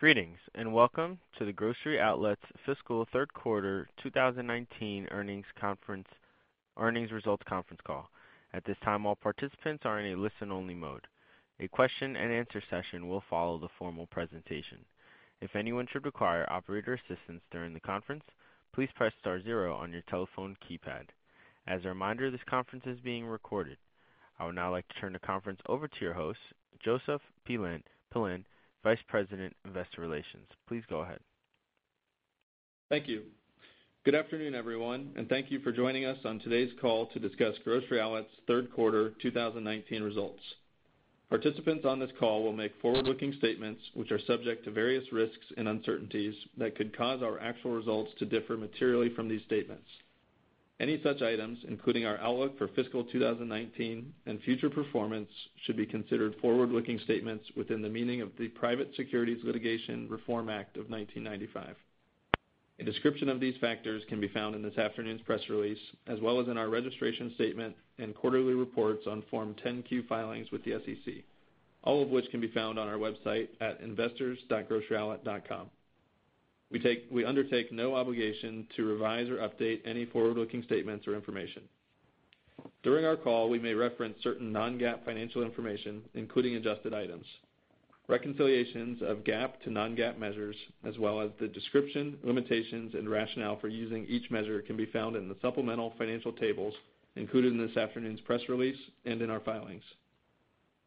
Greetings, and welcome to the Grocery Outlet's fiscal third quarter 2019 earnings results conference call. At this time, all participants are in a listen-only mode. A question and answer session will follow the formal presentation. If anyone should require operator assistance during the conference, please press star zero on your telephone keypad. As a reminder, this conference is being recorded. I would now like to turn the conference over to your host, Joseph Pelland, Vice President, Investor Relations. Please go ahead. Thank you. Good afternoon, everyone, and thank you for joining us on today's call to discuss Grocery Outlet's third quarter 2019 results. Participants on this call will make forward-looking statements, which are subject to various risks and uncertainties that could cause our actual results to differ materially from these statements. Any such items, including our outlook for fiscal 2019 and future performance, should be considered forward-looking statements within the meaning of the Private Securities Litigation Reform Act of 1995. A description of these factors can be found in this afternoon's press release, as well as in our registration statement and quarterly reports on Form 10-Q filings with the SEC, all of which can be found on our website at investors.groceryoutlet.com. We undertake no obligation to revise or update any forward-looking statements or information. During our call, we may reference certain non-GAAP financial information, including adjusted items. Reconciliations of GAAP to non-GAAP measures, as well as the description, limitations, and rationale for using each measure can be found in the supplemental financial tables included in this afternoon's press release and in our filings.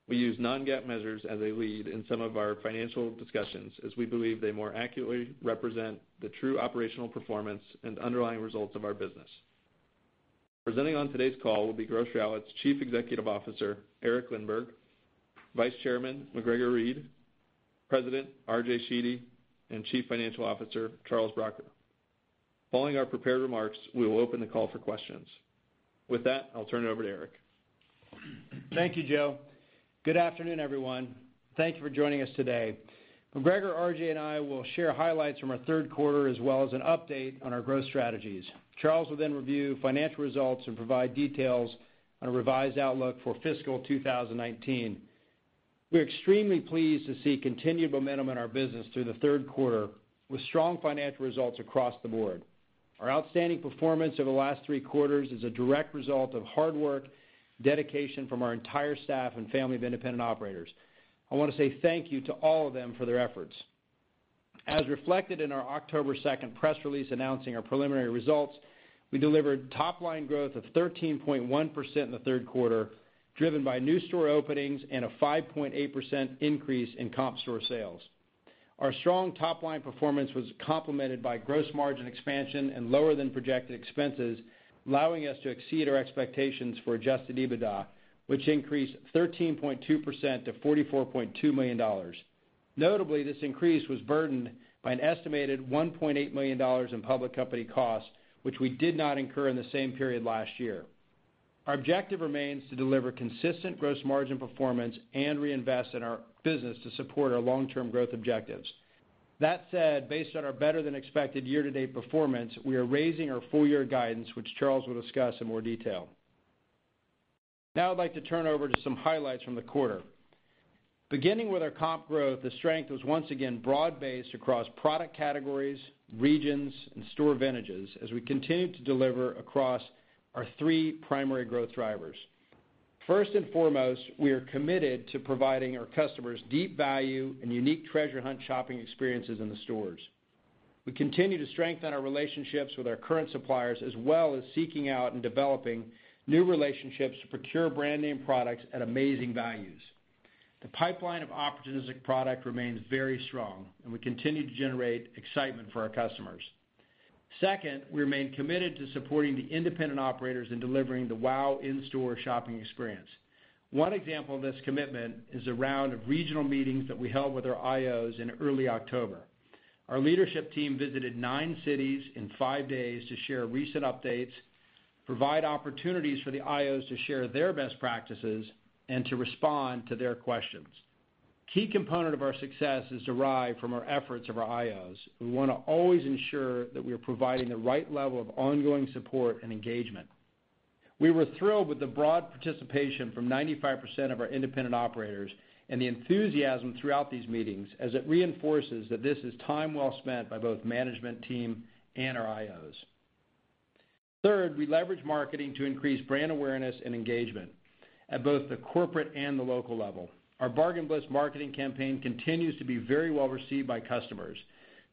We use non-GAAP measures as a lead in some of our financial discussions, as we believe they more accurately represent the true operational performance and underlying results of our business. Presenting on today's call will be Grocery Outlet's Chief Executive Officer, Eric Lindberg, Vice Chairman, MacGregor Read, President, RJ Sheedy, and Chief Financial Officer, Charles Bracher. Following our prepared remarks, we will open the call for questions. With that, I'll turn it over to Eric. Thank you, Joe. Good afternoon, everyone. Thank you for joining us today. MacGregor, RJ, and I will share highlights from our third quarter, as well as an update on our growth strategies. Charles will then review financial results and provide details on a revised outlook for fiscal 2019. We are extremely pleased to see continued momentum in our business through the third quarter, with strong financial results across the board. Our outstanding performance over the last three quarters is a direct result of hard work, dedication from our entire staff and family of independent operators. I want to say thank you to all of them for their efforts. As reflected in our October 2nd press release announcing our preliminary results, we delivered top-line growth of 13.1% in the third quarter, driven by new store openings and a 5.8% increase in comp store sales. Our strong top-line performance was complemented by gross margin expansion and lower than projected expenses, allowing us to exceed our expectations for adjusted EBITDA, which increased 13.2% to $44.2 million. Notably, this increase was burdened by an estimated $1.8 million in public company costs, which we did not incur in the same period last year. Our objective remains to deliver consistent gross margin performance and reinvest in our business to support our long-term growth objectives. Based on our better than expected year-to-date performance, we are raising our full year guidance, which Charles will discuss in more detail. I'd like to turn over to some highlights from the quarter. Beginning with our comp growth, the strength was once again broad-based across product categories, regions, and store vintages as we continued to deliver across our three primary growth drivers. First and foremost, we are committed to providing our customers deep value and unique treasure hunt shopping experiences in the stores. We continue to strengthen our relationships with our current suppliers, as well as seeking out and developing new relationships to procure brand name products at amazing values. The pipeline of opportunistic product remains very strong, and we continue to generate excitement for our customers. Second, we remain committed to supporting the independent operators in delivering the wow in-store shopping experience. One example of this commitment is a round of regional meetings that we held with our IOs in early October. Our leadership team visited nine cities in five days to share recent updates, provide opportunities for the IOs to share their best practices, and to respond to their questions. Key component of our success is derived from our efforts of our IOs. We want to always ensure that we are providing the right level of ongoing support and engagement. We were thrilled with the broad participation from 95% of our independent operators and the enthusiasm throughout these meetings, as it reinforces that this is time well spent by both management team and our IOs. Third, we leverage marketing to increase brand awareness and engagement at both the corporate and the local level. Our Bargain Bliss marketing campaign continues to be very well received by customers.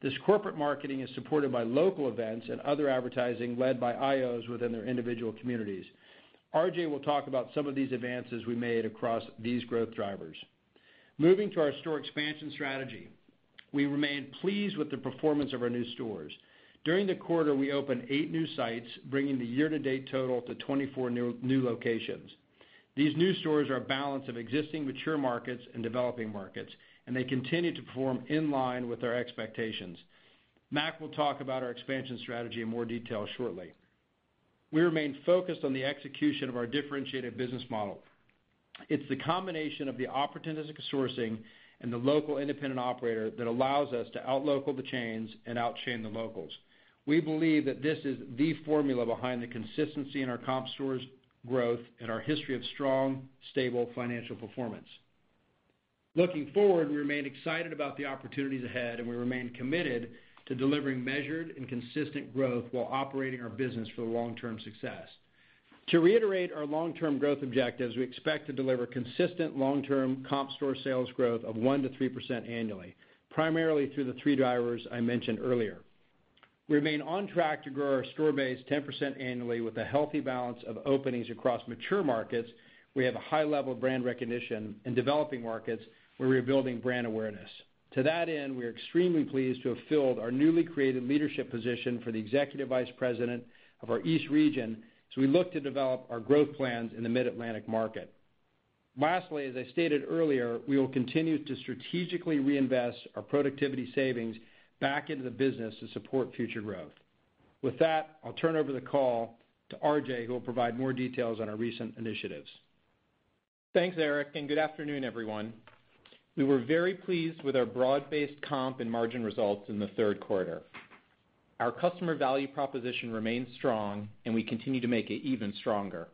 This corporate marketing is supported by local events and other advertising led by IOs within their individual communities. RJ will talk about some of these advances we made across these growth drivers. Moving to our store expansion strategy, we remain pleased with the performance of our new stores. During the quarter, we opened eight new sites, bringing the year-to-date total to 24 new locations. These new stores are a balance of existing mature markets and developing markets. They continue to perform in line with our expectations. Mac will talk about our expansion strategy in more detail shortly. We remain focused on the execution of our differentiated business model. It's the combination of the opportunistic sourcing and the local independent operator that allows us to out-local the chains and out-chain the locals. We believe that this is the formula behind the consistency in our comp stores growth and our history of strong, stable financial performance. Looking forward, we remain excited about the opportunities ahead, and we remain committed to delivering measured and consistent growth while operating our business for long-term success. To reiterate our long-term growth objectives, we expect to deliver consistent long-term comp store sales growth of 1% to 3% annually, primarily through the three drivers I mentioned earlier. We remain on track to grow our store base 10% annually with a healthy balance of openings across mature markets, we have a high level of brand recognition in developing markets where we are building brand awareness. To that end, we are extremely pleased to have filled our newly created leadership position for the Executive Vice President of our East Region, as we look to develop our growth plans in the Mid-Atlantic market. Lastly, as I stated earlier, we will continue to strategically reinvest our productivity savings back into the business to support future growth. With that, I'll turn over the call to R.J., who will provide more details on our recent initiatives. Thanks, Eric. Good afternoon, everyone. We were very pleased with our broad-based comp and margin results in the third quarter. Our customer value proposition remains strong, and we continue to make it even stronger.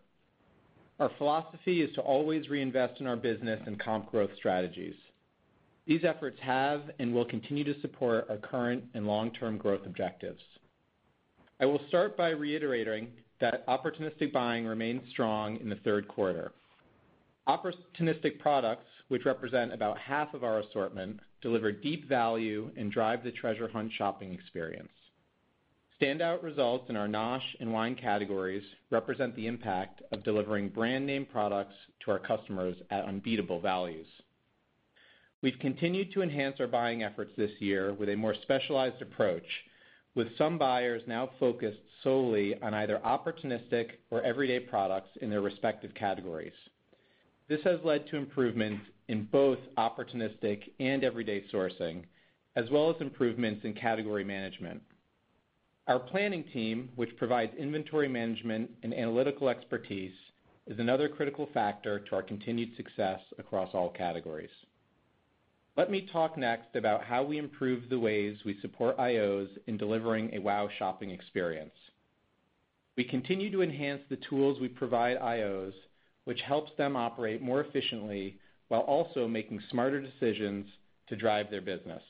Our philosophy is to always reinvest in our business and comp growth strategies. These efforts have and will continue to support our current and long-term growth objectives. I will start by reiterating that opportunistic buying remained strong in the third quarter. Opportunistic products, which represent about half of our assortment, deliver deep value and drive the treasure hunt shopping experience. Standout results in our NOSH and wine categories represent the impact of delivering brand name products to our customers at unbeatable values. We've continued to enhance our buying efforts this year with a more specialized approach, with some buyers now focused solely on either opportunistic or everyday products in their respective categories. This has led to improvements in both opportunistic and everyday sourcing, as well as improvements in category management. Our planning team, which provides inventory management and analytical expertise, is another critical factor to our continued success across all categories. Let me talk next about how we improve the ways we support IOs in delivering a wow shopping experience. We continue to enhance the tools we provide IOs, which helps them operate more efficiently while also making smarter decisions to drive their business.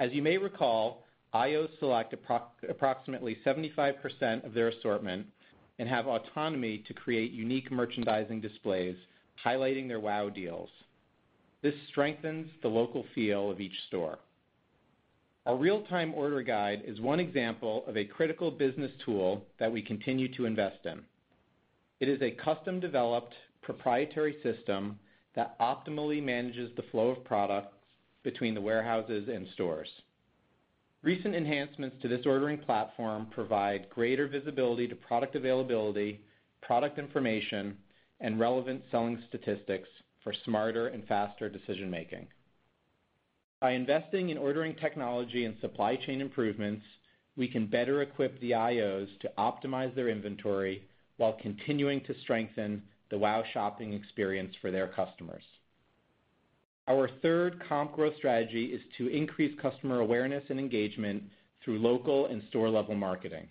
As you may recall, IOs select approximately 75% of their assortment and have autonomy to create unique merchandising displays, highlighting their wow deals. This strengthens the local feel of each store. Our real-time order guide is one example of a critical business tool that we continue to invest in. It is a custom-developed proprietary system that optimally manages the flow of products between the warehouses and stores. Recent enhancements to this ordering platform provide greater visibility to product availability, product information, and relevant selling statistics for smarter and faster decision-making. By investing in ordering technology and supply chain improvements, we can better equip the IOs to optimize their inventory while continuing to strengthen the wow shopping experience for their customers. Our third comp growth strategy is to increase customer awareness and engagement through local and store-level marketing.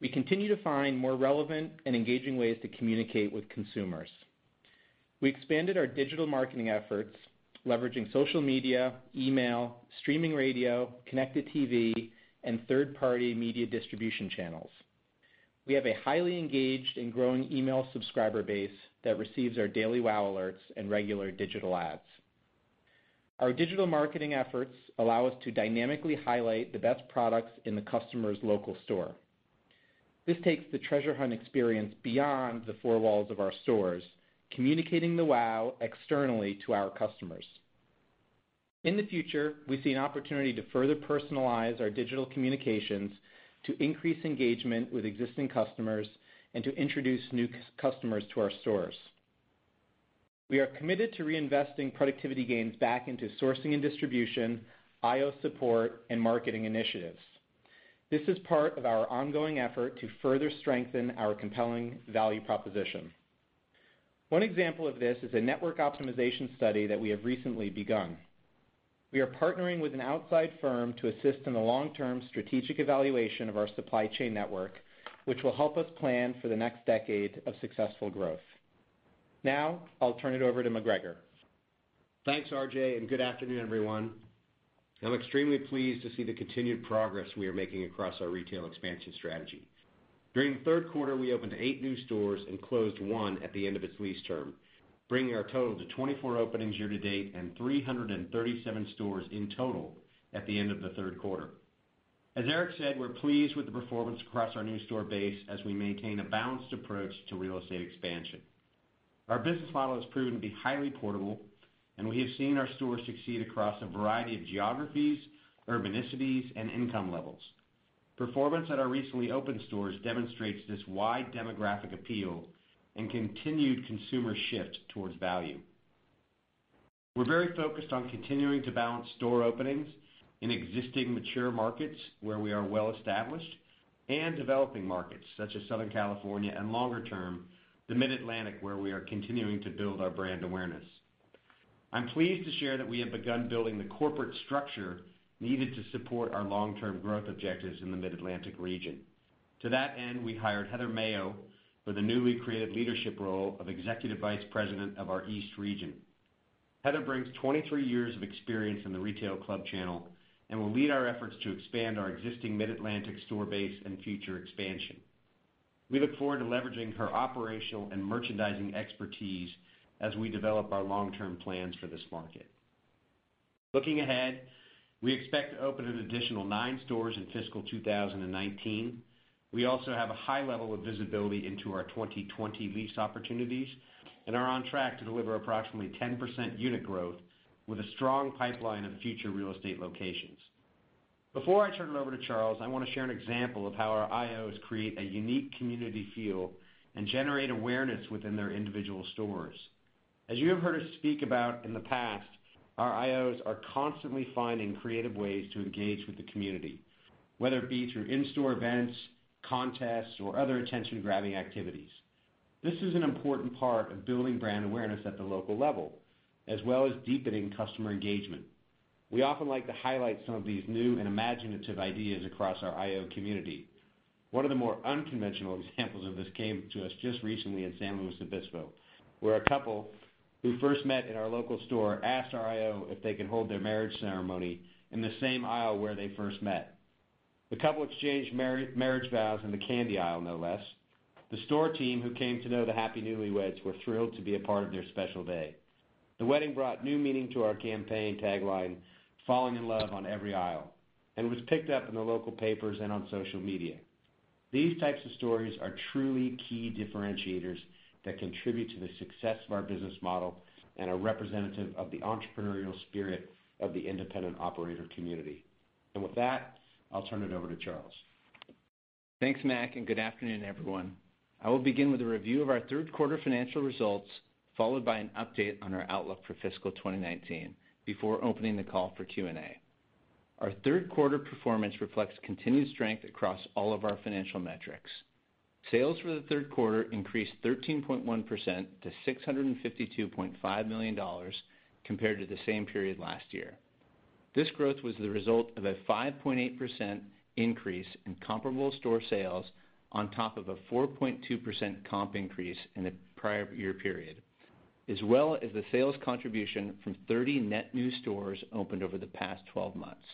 We continue to find more relevant and engaging ways to communicate with consumers. We expanded our digital marketing efforts, leveraging social media, email, streaming radio, connected TV, and third-party media distribution channels. We have a highly engaged and growing email subscriber base that receives our daily wow alerts and regular digital ads. Our digital marketing efforts allow us to dynamically highlight the best products in the customer's local store. This takes the treasure hunt experience beyond the four walls of our stores, communicating the wow externally to our customers. In the future, we see an opportunity to further personalize our digital communications to increase engagement with existing customers and to introduce new customers to our stores. We are committed to reinvesting productivity gains back into sourcing and distribution, IO support, and marketing initiatives. This is part of our ongoing effort to further strengthen our compelling value proposition. One example of this is a network optimization study that we have recently begun. We are partnering with an outside firm to assist in the long-term strategic evaluation of our supply chain network, which will help us plan for the next decade of successful growth. Now, I'll turn it over to MacGregor. Thanks, RJ. Good afternoon, everyone. I'm extremely pleased to see the continued progress we are making across our retail expansion strategy. During the third quarter, we opened eight new stores and closed one at the end of its lease term, bringing our total to 24 openings year-to-date and 337 stores in total at the end of the third quarter. As Eric said, we're pleased with the performance across our new store base as we maintain a balanced approach to real estate expansion. Our business model has proven to be highly portable, and we have seen our stores succeed across a variety of geographies, urbanicities, and income levels. Performance at our recently opened stores demonstrates this wide demographic appeal and continued consumer shift towards value. We're very focused on continuing to balance store openings in existing mature markets where we are well-established and developing markets such as Southern California and longer term, the Mid-Atlantic, where we are continuing to build our brand awareness. I'm pleased to share that we have begun building the corporate structure needed to support our long-term growth objectives in the Mid-Atlantic region. To that end, we hired Heather Mayo for the newly created leadership role of Executive Vice President of our East Region. Heather brings 23 years of experience in the retail club channel and will lead our efforts to expand our existing Mid-Atlantic store base and future expansion. We look forward to leveraging her operational and merchandising expertise as we develop our long-term plans for this market. Looking ahead, we expect to open an additional nine stores in fiscal 2019. We also have a high level of visibility into our 2020 lease opportunities and are on track to deliver approximately 10% unit growth with a strong pipeline of future real estate locations. Before I turn it over to Charles, I want to share an example of how our IOs create a unique community feel and generate awareness within their individual stores. As you have heard us speak about in the past, our IOs are constantly finding creative ways to engage with the community, whether it be through in-store events, contests, or other attention-grabbing activities. This is an important part of building brand awareness at the local level, as well as deepening customer engagement. We often like to highlight some of these new and imaginative ideas across our IO community. One of the more unconventional examples of this came to us just recently in San Luis Obispo, where a couple who first met in our local store asked our IO if they could hold their marriage ceremony in the same aisle where they first met. The couple exchanged marriage vows in the candy aisle, no less. The store team, who came to know the happy newlyweds, were thrilled to be a part of their special day. The wedding brought new meaning to our campaign tagline, "Falling in love on every aisle," and was picked up in the local papers and on social media. These types of stories are truly key differentiators that contribute to the success of our business model and are representative of the entrepreneurial spirit of the independent operator community. With that, I'll turn it over to Charles. Thanks, Mac. Good afternoon, everyone. I will begin with a review of our third quarter financial results, followed by an update on our outlook for fiscal 2019, before opening the call for Q&A. Our third quarter performance reflects continued strength across all of our financial metrics. Sales for the third quarter increased 13.1% to $652.5 million compared to the same period last year. This growth was the result of a 5.8% increase in comparable store sales on top of a 4.2% comp increase in the prior year period, as well as the sales contribution from 30 net new stores opened over the past 12 months.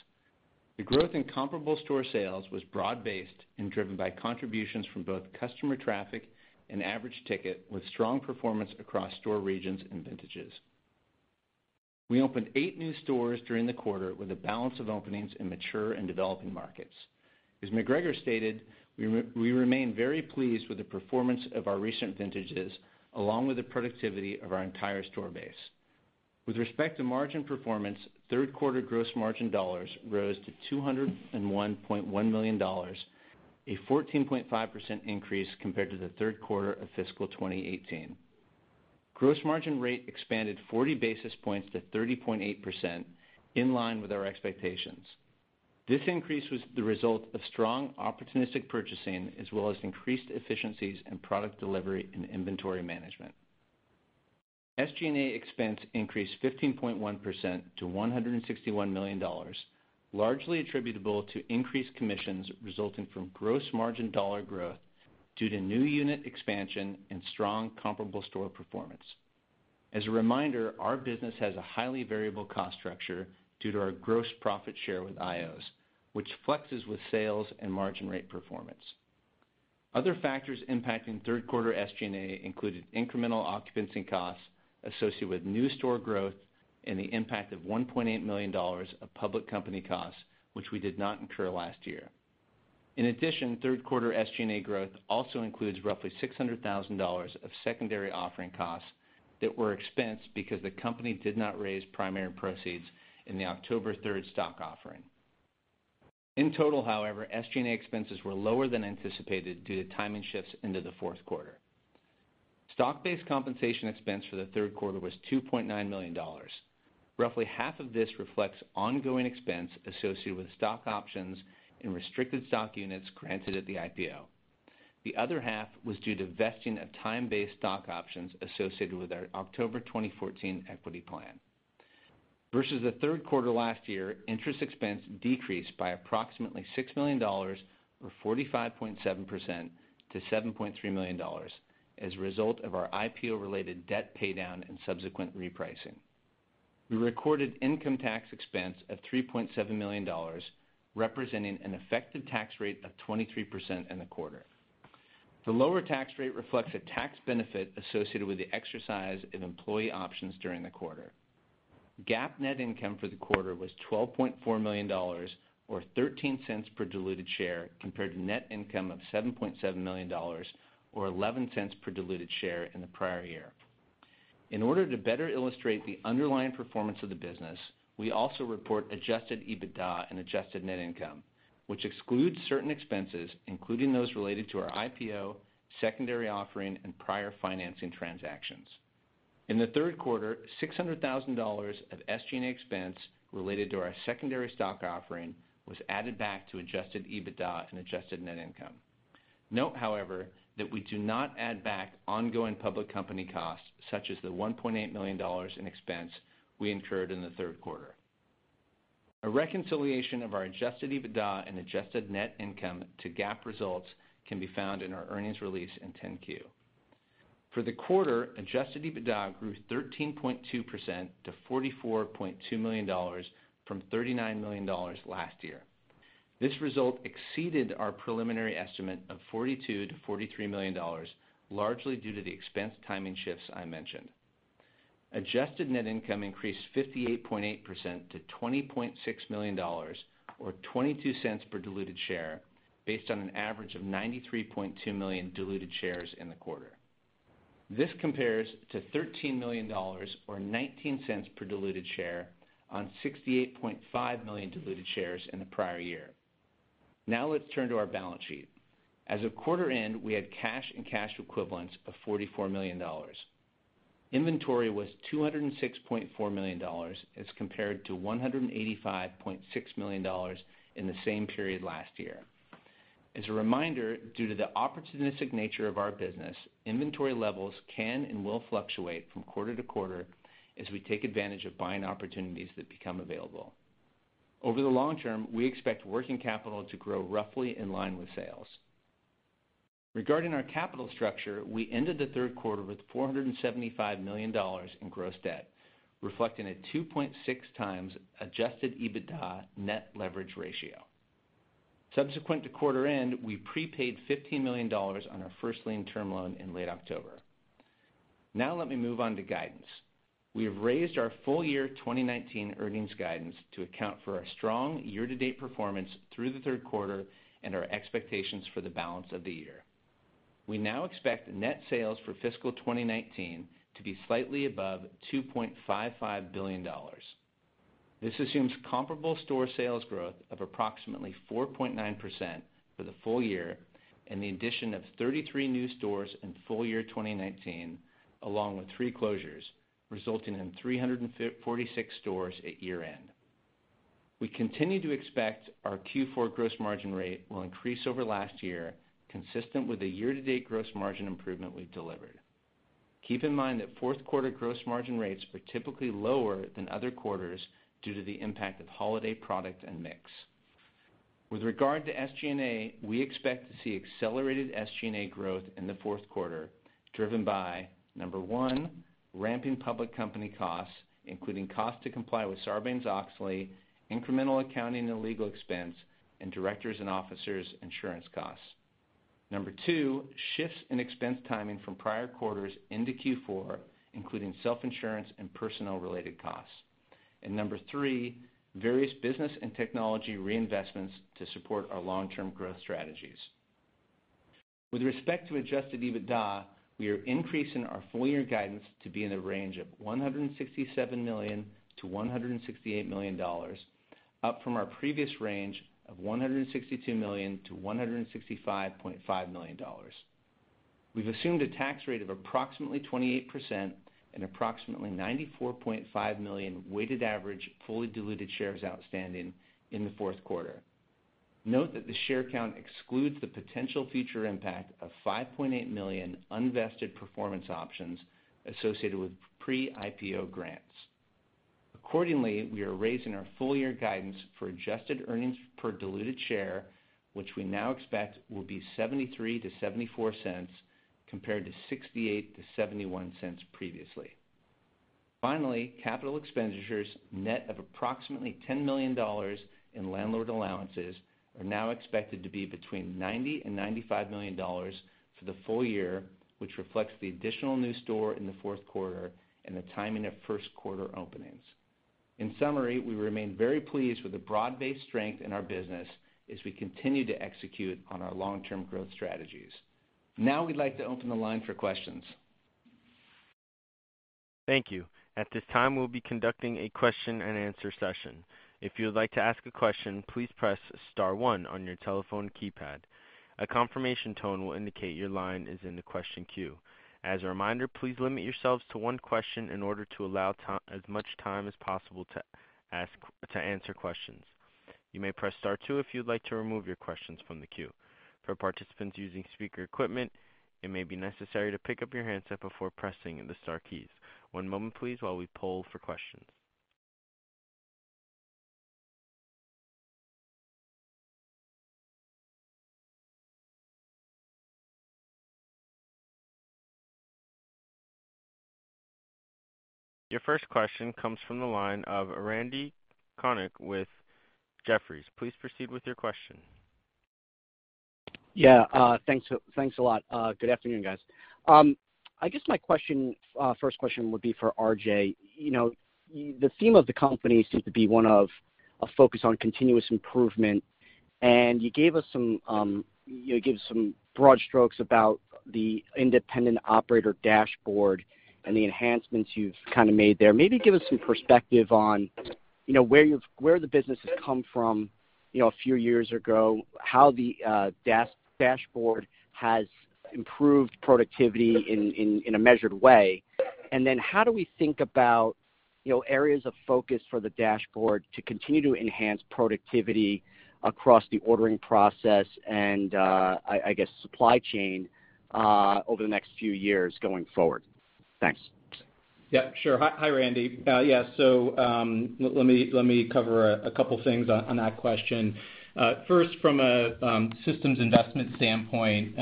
The growth in comparable store sales was broad-based and driven by contributions from both customer traffic and average ticket, with strong performance across store regions and vintages. We opened eight new stores during the quarter with a balance of openings in mature and developing markets. As MacGregor Read stated, we remain very pleased with the performance of our recent vintages, along with the productivity of our entire store base. With respect to margin performance, third quarter gross margin dollars rose to $201.1 million, a 14.5% increase compared to the third quarter of fiscal 2018. Gross margin rate expanded 40 basis points to 30.8%, in line with our expectations. This increase was the result of strong opportunistic purchasing as well as increased efficiencies in product delivery and inventory management. SG&A expense increased 15.1% to $161 million, largely attributable to increased commissions resulting from gross margin dollar growth due to new unit expansion and strong comparable store performance. As a reminder, our business has a highly variable cost structure due to our gross profit share with IOs, which flexes with sales and margin rate performance. Other factors impacting third quarter SG&A included incremental occupancy costs associated with new store growth and the impact of $1.8 million of public company costs, which we did not incur last year. In addition, third quarter SG&A growth also includes roughly $600,000 of secondary offering costs that were expensed because the company did not raise primary proceeds in the October 3rd stock offering. In total, however, SG&A expenses were lower than anticipated due to timing shifts into the fourth quarter. Stock-based compensation expense for the third quarter was $2.9 million. Roughly half of this reflects ongoing expense associated with stock options and restricted stock units granted at the IPO. The other half was due to vesting of time-based stock options associated with our October 2014 equity plan. Versus the third quarter last year, interest expense decreased by approximately $6 million or 45.7% to $7.3 million as a result of our IPO-related debt paydown and subsequent repricing. We recorded income tax expense of $3.7 million, representing an effective tax rate of 23% in the quarter. The lower tax rate reflects a tax benefit associated with the exercise of employee options during the quarter. GAAP net income for the quarter was $12.4 million or $0.13 per diluted share compared to net income of $7.7 million or $0.11 per diluted share in the prior year. In order to better illustrate the underlying performance of the business, we also report adjusted EBITDA and adjusted net income, which excludes certain expenses, including those related to our IPO, secondary offering, and prior financing transactions. In the third quarter, $600,000 of SG&A expense related to our secondary stock offering was added back to adjusted EBITDA and adjusted net income. Note, however, that we do not add back ongoing public company costs such as the $1.8 million in expense we incurred in the third quarter. A reconciliation of our adjusted EBITDA and adjusted net income to GAAP results can be found in our earnings release in 10-Q. For the quarter, adjusted EBITDA grew 13.2% to $44.2 million from $39 million last year. This result exceeded our preliminary estimate of $42 million-$43 million, largely due to the expense timing shifts I mentioned. Adjusted net income increased 58.8% to $20.6 million, or $0.22 per diluted share, based on an average of 93.2 million diluted shares in the quarter. This compares to $13 million, or $0.19 per diluted share, on 68.5 million diluted shares in the prior year. Let's turn to our balance sheet. As of quarter end, we had cash and cash equivalents of $44 million. Inventory was $206.4 million as compared to $185.6 million in the same period last year. As a reminder, due to the opportunistic nature of our business, inventory levels can and will fluctuate from quarter to quarter as we take advantage of buying opportunities that become available. Over the long term, we expect working capital to grow roughly in line with sales. Regarding our capital structure, we ended the third quarter with $475 million in gross debt, reflecting a 2.6 times adjusted EBITDA net leverage ratio. Subsequent to quarter end, we prepaid $15 million on our first lien term loan in late October. Let me move on to guidance. We have raised our full year 2019 earnings guidance to account for our strong year-to-date performance through the third quarter and our expectations for the balance of the year. We now expect net sales for fiscal 2019 to be slightly above $2.55 billion. This assumes comparable store sales growth of approximately 4.9% for the full year and the addition of 33 new stores in full year 2019, along with three closures, resulting in 346 stores at year-end. We continue to expect our Q4 gross margin rate will increase over last year, consistent with the year-to-date gross margin improvement we've delivered. Keep in mind that fourth quarter gross margin rates are typically lower than other quarters due to the impact of holiday product and mix. With regard to SG&A, we expect to see accelerated SG&A growth in the fourth quarter, driven by, number one, ramping public company costs, including costs to comply with Sarbanes-Oxley, incremental accounting and legal expense, and directors' and officers' insurance costs. Number two, shifts in expense timing from prior quarters into Q4, including self-insurance and personnel-related costs. Number three, various business and technology reinvestments to support our long-term growth strategies. With respect to adjusted EBITDA, we are increasing our full year guidance to be in the range of $167 million-$168 million, up from our previous range of $162 million-$165.5 million. We've assumed a tax rate of approximately 28% and approximately 94.5 million weighted average fully diluted shares outstanding in the fourth quarter. Note that the share count excludes the potential future impact of 5.8 million unvested performance options associated with pre-IPO grants. We are raising our full year guidance for adjusted earnings per diluted share, which we now expect will be $0.73-$0.74, compared to $0.68-$0.71 previously. Capital expenditures, net of approximately $10 million in landlord allowances, are now expected to be between $90 million-$95 million for the full year, which reflects the additional new store in the fourth quarter and the timing of first quarter openings. We remain very pleased with the broad-based strength in our business as we continue to execute on our long-term growth strategies. We'd like to open the line for questions. Thank you. At this time, we'll be conducting a question and answer session. If you would like to ask a question, please press *1 on your telephone keypad. A confirmation tone will indicate your line is in the question queue. As a reminder, please limit yourselves to one question in order to allow as much time as possible to answer questions. You may press *2 if you'd like to remove your questions from the queue. For participants using speaker equipment, it may be necessary to pick up your handset before pressing the star keys. One moment please, while we poll for questions. Your first question comes from the line of Randy Konik with Jefferies. Please proceed with your question. Yeah. Thanks a lot. Good afternoon, guys. I guess my first question would be for RJ. The theme of the company seems to be one of a focus on continuous improvement, and you gave us some broad strokes about the independent operator dashboard and the enhancements you've made there. Maybe give us some perspective on where the business has come from a few years ago, how the dashboard has improved productivity in a measured way, and then how do we think about areas of focus for the dashboard to continue to enhance productivity across the ordering process and, I guess, supply chain over the next few years going forward? Thanks. Sure. Hi, Randy. Let me cover a couple things on that question. First, from a systems investment standpoint,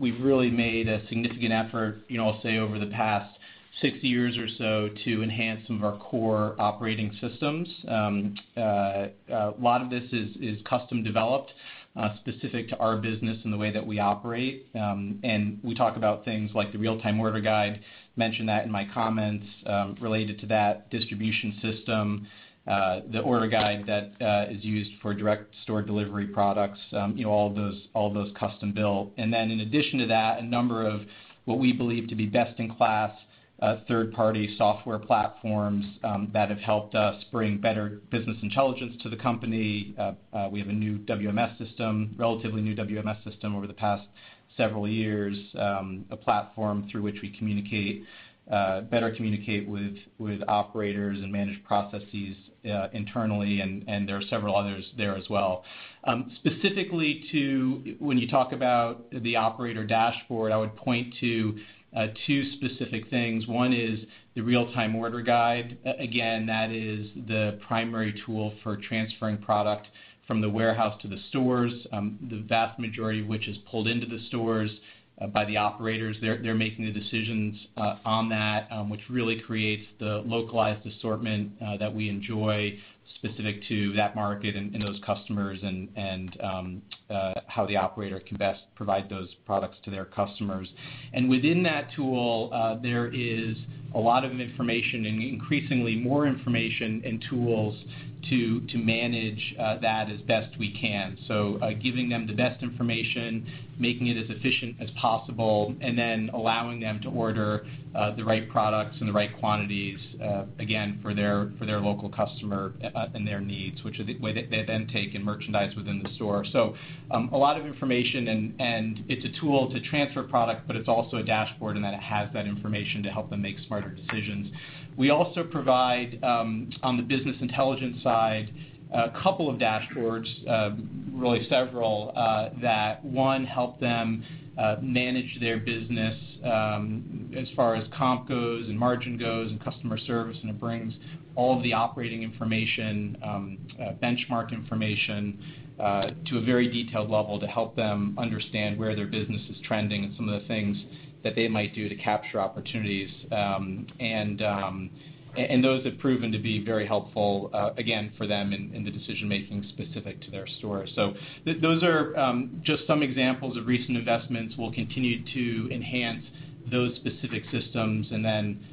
we've really made a significant effort, I'll say, over the past six years or so to enhance some of our core operating systems. A lot of this is custom developed, specific to our business and the way that we operate. We talk about things like the real-time order guide, mentioned that in my comments, related to that distribution system, the order guide that is used for direct store delivery products, all of those custom-built. In addition to that, a number of what we believe to be best in class, third-party software platforms that have helped us bring better business intelligence to the company. We have a relatively new WMS system over the past several years, a platform through which we better communicate with operators and manage processes internally, and there are several others there as well. Specifically to when you talk about the operator dashboard, I would point to two specific things. One is the real-time order guide. Again, that is the primary tool for transferring product from the warehouse to the stores. The vast majority of which is pulled into the stores by the operators. They're making the decisions on that, which really creates the localized assortment that we enjoy specific to that market and those customers and how the operator can best provide those products to their customers. Within that tool, there is a lot of information and increasingly more information and tools to manage that as best we can. Giving them the best information, making it as efficient as possible, and then allowing them to order the right products and the right quantities, again, for their local customer and their needs, which they then take and merchandise within the store. A lot of information and it's a tool to transfer product, but it's also a dashboard in that it has that information to help them make smarter decisions. We also provide, on the business intelligence side, a couple of dashboards, really several, that one, help them manage their business as far as comp goes and margin goes and customer service, and it brings all of the operating information, benchmark information, to a very detailed level to help them understand where their business is trending and some of the things that they might do to capture opportunities. Those have proven to be very helpful, again, for them in the decision making specific to their store. Those are just some examples of recent investments. We'll continue to enhance those specific systems and then,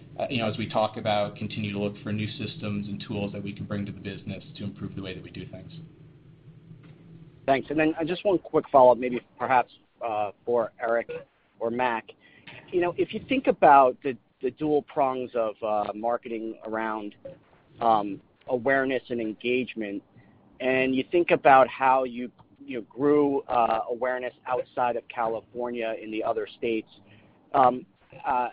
as we talk about, continue to look for new systems and tools that we can bring to the business to improve the way that we do things. Thanks. Just one quick follow-up, maybe perhaps for Eric or Mac. If you think about the dual prongs of marketing around awareness and engagement, you think about how you grew awareness outside of California in the other states, and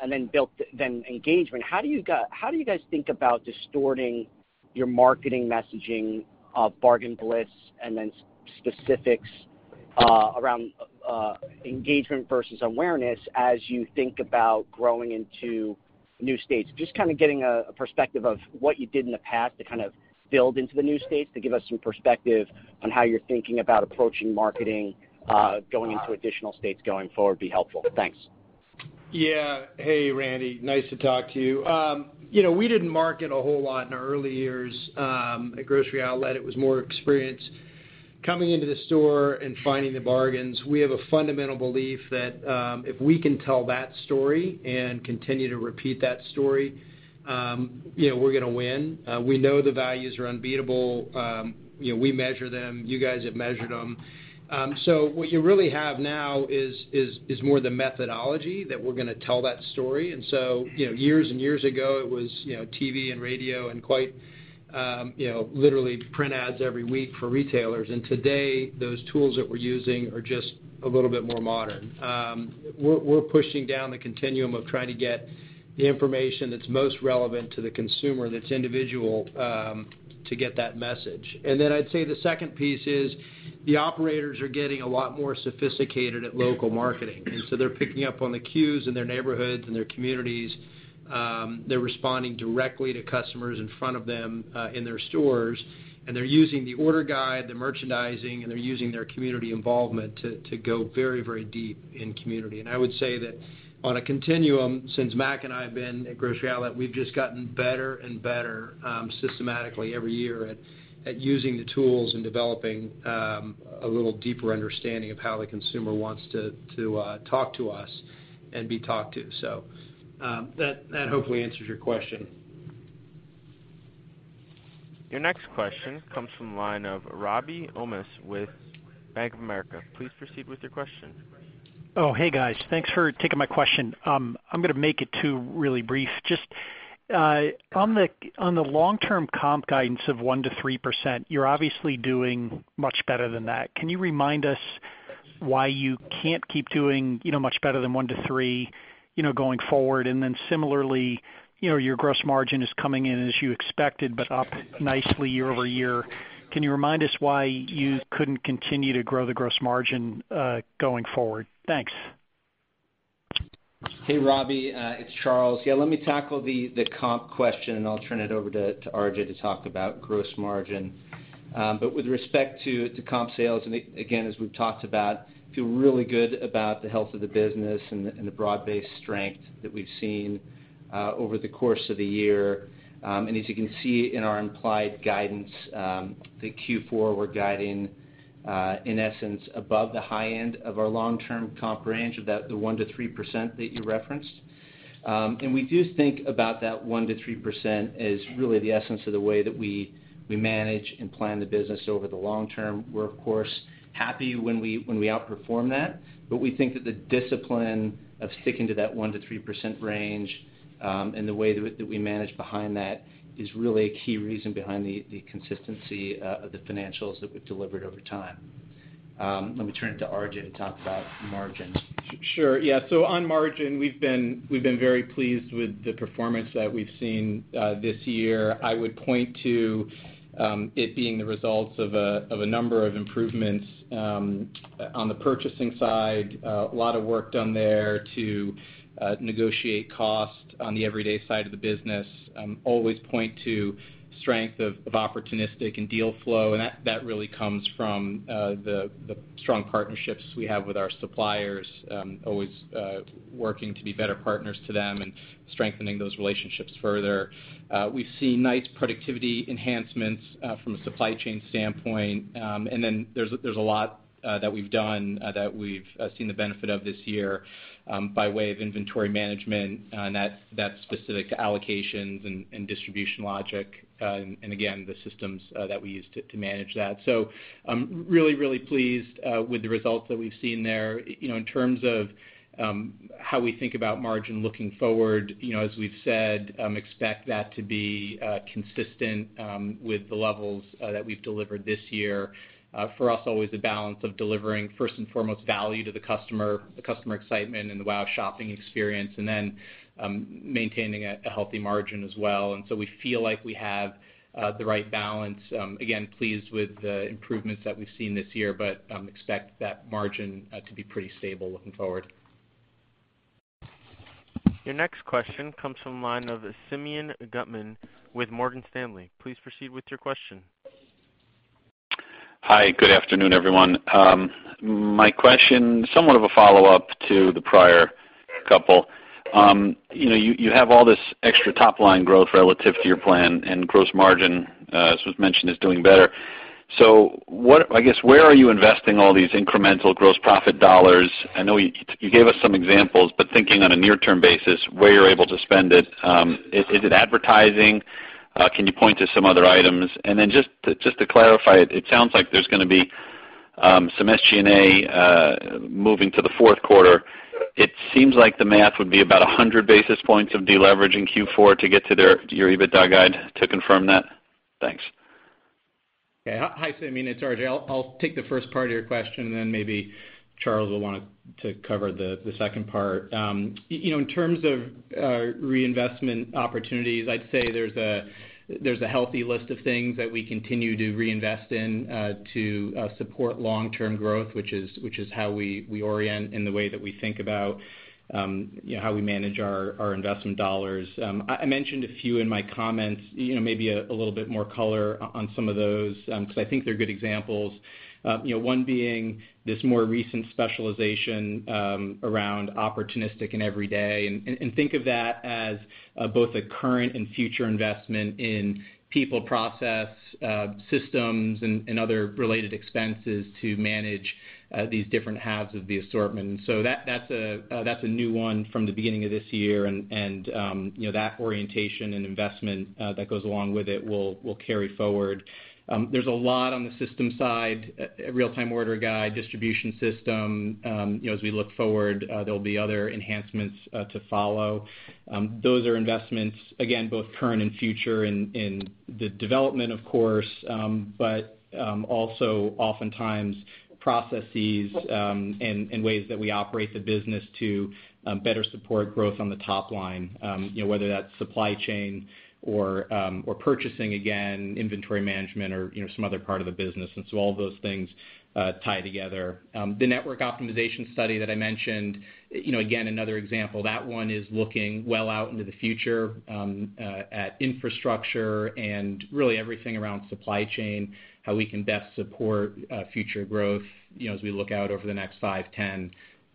then built the engagement, how do you guys think about distorting your marketing messaging of Bargain Bliss and then specifics around engagement versus awareness as you think about growing into new states? Just kind of getting a perspective of what you did in the past to kind of build into the new states to give us some perspective on how you're thinking about approaching marketing, going into additional states going forward, would be helpful. Thanks. Yeah. Hey, Randy. Nice to talk to you. We didn't market a whole lot in our early years at Grocery Outlet. It was more experience coming into the store and finding the bargains. We have a fundamental belief that if we can tell that story and continue to repeat that story, we're going to win. We know the values are unbeatable. We measure them. You guys have measured them. What you really have now is more the methodology that we're going to tell that story. Years and years ago, it was TV and radio and quite literally print ads every week for retailers. Today, those tools that we're using are just a little bit more modern. We're pushing down the continuum of trying to get the information that's most relevant to the consumer, that's individual, to get that message. Then I'd say the second piece is the operators are getting a lot more sophisticated at local marketing, and so they're picking up on the cues in their neighborhoods and their communities. They're responding directly to customers in front of them in their stores, and they're using the order guide, the merchandising, and they're using their community involvement to go very, very deep in community. I would say that on a continuum, since Mac and I have been at Grocery Outlet, we've just gotten better and better systematically every year at using the tools and developing a little deeper understanding of how the consumer wants to talk to us and be talked to. That hopefully answers your question. Your next question comes from the line of Robbie Ohmes with Bank of America. Please proceed with your question. Oh, hey, guys. Thanks for taking my question. I'm going to make it, too, really brief. On the long-term comp guidance of 1%-3%, you're obviously doing much better than that. Can you remind us why you can't keep doing much better than 1%-3% going forward? Similarly, your gross margin is coming in as you expected, but up nicely year-over-year. Can you remind us why you couldn't continue to grow the gross margin going forward? Thanks. Hey, Robbie. It's Charles. Yeah, let me tackle the comp question, and I'll turn it over to RJ to talk about gross margin. With respect to comp sales, and again, as we've talked about, feel really good about the health of the business and the broad-based strength that we've seen over the course of the year. As you can see in our implied guidance, the Q4, we're guiding, in essence, above the high end of our long-term comp range, about the 1%-3% that you referenced. We do think about that 1%-3% as really the essence of the way that we manage and plan the business over the long term. We're, of course, happy when we outperform that, but we think that the discipline of sticking to that 1%-3% range and the way that we manage behind that is really a key reason behind the consistency of the financials that we've delivered over time. Let me turn it to RJ to talk about margins. Sure. Yeah. On margin, we've been very pleased with the performance that we've seen this year. I would point to it being the results of a number of improvements on the purchasing side. A lot of work done there to negotiate cost on the Everyday side of the business. Always point to strength of opportunistic and deal flow, and that really comes from the strong partnerships we have with our suppliers, always working to be better partners to them and strengthening those relationships further. We've seen nice productivity enhancements from a supply chain standpoint. There's a lot that we've done that we've seen the benefit of this year by way of inventory management and that specific allocations and distribution logic, and again, the systems that we use to manage that. Really, really pleased with the results that we've seen there. In terms of how we think about margin looking forward, as we've said, expect that to be consistent with the levels that we've delivered this year. For us, always a balance of delivering, first and foremost, value to the customer, the customer excitement and the wow shopping experience, and then maintaining a healthy margin as well. We feel like we have the right balance. Again, pleased with the improvements that we've seen this year, but expect that margin to be pretty stable looking forward. Your next question comes from the line of Simeon Gutman with Morgan Stanley. Please proceed with your question. Hi, good afternoon, everyone. My question, somewhat of a follow-up to the prior couple. You have all this extra top-line growth relative to your plan, and gross margin, as was mentioned, is doing better. I guess, where are you investing all these incremental gross profit dollars? I know you gave us some examples, but thinking on a near-term basis, where you're able to spend it. Is it advertising? Can you point to some other items? Then just to clarify, it sounds like there's going to be some SG&A moving to the fourth quarter. It seems like the math would be about 100 basis points of deleveraging Q4 to get to your EBITDA guide to confirm that. Thanks. Yeah. Hi, Simeon, it's RJ. I'll take the first part of your question, and then maybe Charles will want to cover the second part. In terms of reinvestment opportunities, I'd say there's a healthy list of things that we continue to reinvest in to support long-term growth, which is how we orient and the way that we think about how we manage our investment dollars. I mentioned a few in my comments, maybe a little bit more color on some of those because I think they're good examples. One being this more recent specialization around opportunistic and Everyday, and think of that as both a current and future investment in people, process, systems, and other related expenses to manage these different halves of the assortment. That's a new one from the beginning of this year, and that orientation and investment that goes along with it will carry forward. There's a lot on the system side, real-time order guide, distribution system. As we look forward, there'll be other enhancements to follow. Those are investments, again, both current and future in the development, of course, but also oftentimes processes and ways that we operate the business to better support growth on the top line, whether that's supply chain or purchasing again, inventory management or some other part of the business. All of those things tie together. The network optimization study that I mentioned, again, another example. That one is looking well out into the future at infrastructure and really everything around supply chain, how we can best support future growth as we look out over the next five,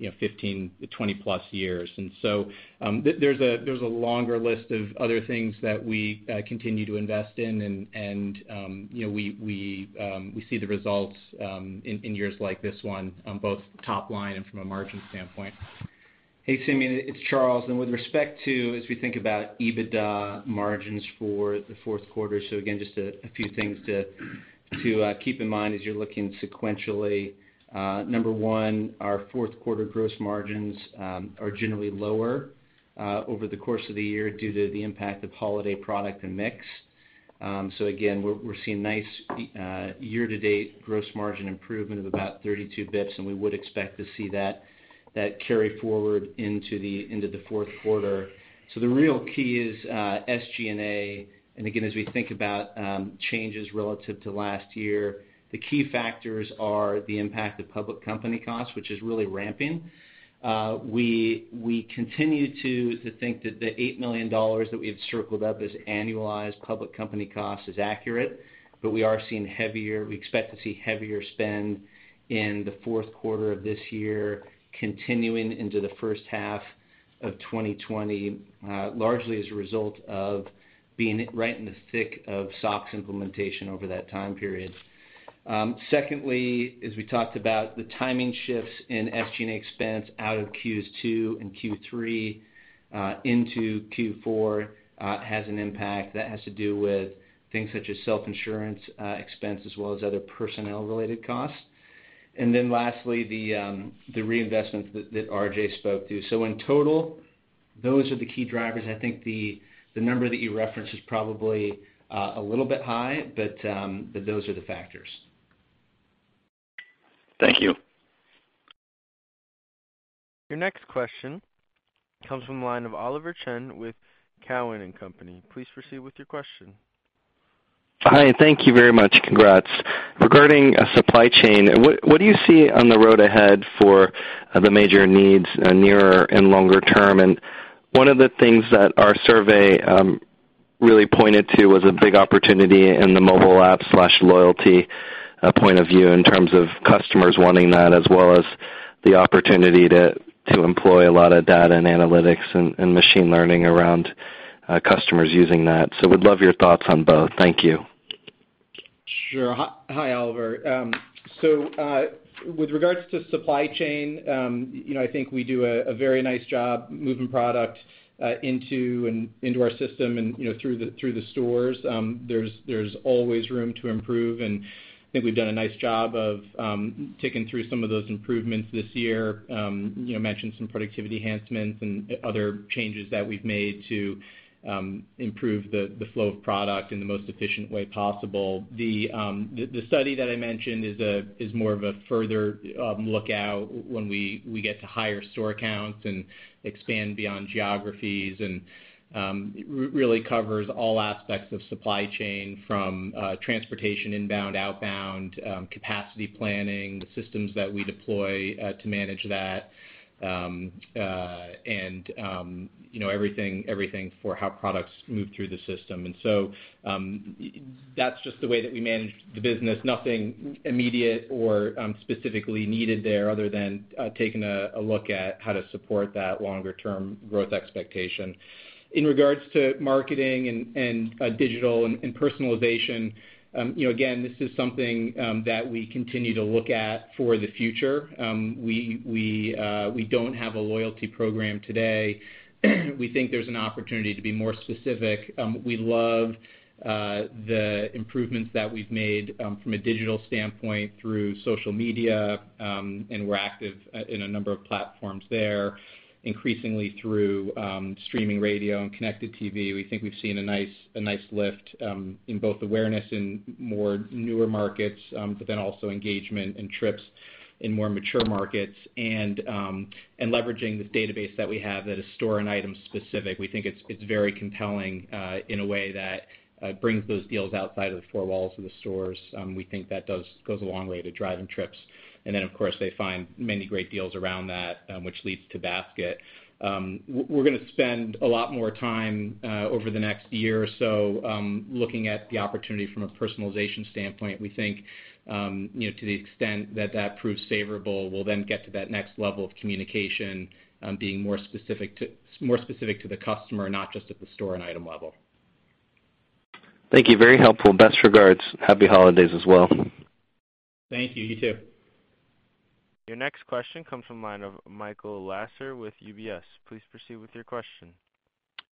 10, 15, 20-plus years. There's a longer list of other things that we continue to invest in, and we see the results in years like this one, on both top line and from a margin standpoint. Hey, Simeon, it's Charles. With respect to, as we think about EBITDA margins for the fourth quarter. Again, just a few things to keep in mind as you're looking sequentially. Number 1, our fourth quarter gross margins are generally lower over the course of the year due to the impact of holiday product and mix. Again, we're seeing nice year-to-date gross margin improvement of about 32 basis points, and we would expect to see that carry forward into the fourth quarter. The real key is SG&A. Again, as we think about changes relative to last year, the key factors are the impact of public company costs, which is really ramping. We continue to think that the $8 million that we've circled up as annualized public company costs is accurate, but we expect to see heavier spend in the fourth quarter of this year, continuing into the first half of 2020, largely as a result of being right in the thick of SOX implementation over that time period. Secondly, as we talked about, the timing shifts in SG&A expense out of Q2 and Q3 into Q4 has an impact. That has to do with things such as self-insurance expense as well as other personnel-related costs. Lastly, the reinvestments that RJ spoke to. In total, those are the key drivers. I think the number that you referenced is probably a little bit high, but those are the factors. Thank you. Your next question comes from the line of Oliver Chen with Cowen and Company. Please proceed with your question. Hi, thank you very much. Congrats. Regarding supply chain, what do you see on the road ahead for the major needs nearer and longer term? One of the things that our survey really pointed to was a big opportunity in the mobile app/loyalty point of view in terms of customers wanting that, as well as the opportunity to employ a lot of data and analytics and machine learning around customers using that. We'd love your thoughts on both. Thank you. Sure. Hi, Oliver. With regards to supply chain, I think we do a very nice job moving product into our system and through the stores. There's always room to improve, and I think we've done a nice job of ticking through some of those improvements this year. We mentioned some productivity enhancements and other changes that we've made to improve the flow of product in the most efficient way possible. The study that I mentioned is more of a further lookout when we get to higher store counts and expand beyond geographies, really covers all aspects of supply chain from transportation, inbound, outbound, capacity planning, the systems that we deploy to manage that, and everything for how products move through the system. That's just the way that we manage the business. Nothing immediate or specifically needed there other than taking a look at how to support that longer-term growth expectation. In regards to marketing and digital and personalization, again, this is something that we continue to look at for the future. We don't have a loyalty program today. We think there's an opportunity to be more specific. We love the improvements that we've made from a digital standpoint through social media, and we're active in a number of platforms there, increasingly through streaming radio and connected TV. We think we've seen a nice lift in both awareness in more newer markets, but then also engagement and trips in more mature markets. Leveraging this database that we have that is store and item specific, we think it's very compelling in a way that brings those deals outside of the four walls of the stores. We think that goes a long way to driving trips. Then, of course, they find many great deals around that, which leads to basket. We're going to spend a lot more time over the next year or so looking at the opportunity from a personalization standpoint. We think, to the extent that that proves favorable, we'll then get to that next level of communication being more specific to the customer, not just at the store and item level. Thank you. Very helpful. Best regards. Happy holidays as well. Thank you. You too. Your next question comes from the line of Michael Lasser with UBS. Please proceed with your question.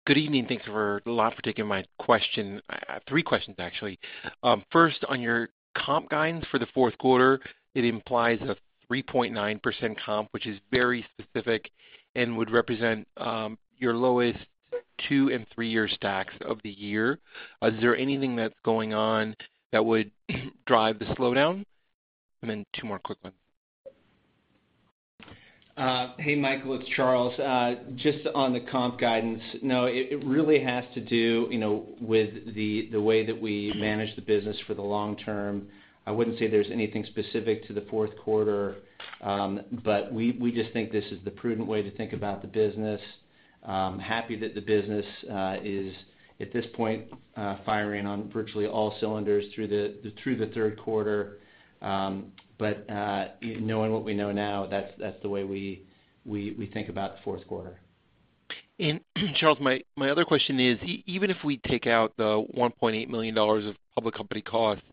Good evening. Thanks a lot for taking my question. Three questions, actually. First, on your comp guidance for the fourth quarter, it implies a 3.9% comp, which is very specific and would represent your lowest two and three-year stacks of the year. Is there anything that's going on that would drive the slowdown? Then two more quick ones. Hey, Michael, it's Charles. Just on the comp guidance. No, it really has to do with the way that we manage the business for the long term. I wouldn't say there's anything specific to the fourth quarter, but we just think this is the prudent way to think about the business. Happy that the business is, at this point, firing on virtually all cylinders through the third quarter. Knowing what we know now, that's the way we think about the fourth quarter. Charles Bracher, my other question is, even if we take out the $1.8 million of public company costs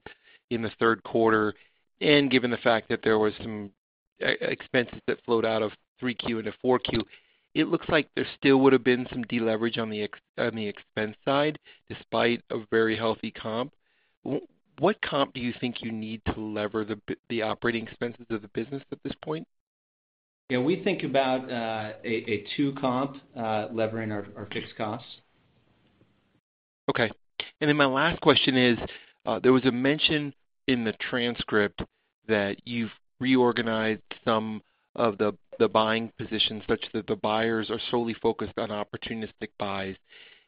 in the third quarter, and given the fact that there was some expenses that float out of 3Q into 4Q, it looks like there still would have been some deleverage on the expense side, despite a very healthy comp. What comp do you think you need to lever the operating expenses of the business at this point? Yeah, we think about a two comp levering our fixed costs. Okay. My last question is, there was a mention in the transcript that you've reorganized some of the buying positions such that the buyers are solely focused on opportunistic buys.